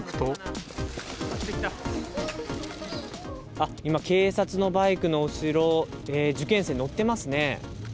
あっ、今、警察のバイクの後ろ、受験生乗ってますね。